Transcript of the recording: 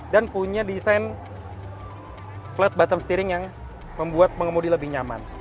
dan punya desain flat bottom steering yang membuat pengemudi lebih nyaman